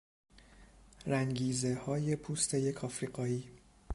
رنگیزههای پوست یک افریقایی